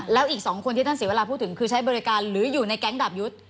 แล้วอีก๒คนที่ท่านเสียเวลาพูดถึงคือใช้บริการหรืออยู่ในแก๊งดาบยุทธ์